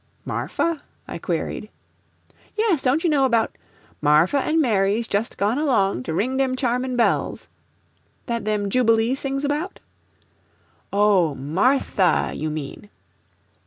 "Marfa?" I queried. "Yes; don't you know about "Marfa and Mary's jus' gone along To ring dem charmin' bells, that them Jubilee sings about?" "Oh, Martha, you mean?"